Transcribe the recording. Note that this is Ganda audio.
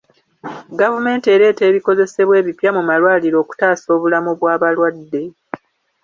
Gavumenti ereeta ebikozesebwa ebipya mu malwaliro okutaasa obulamu bw'abalwadde.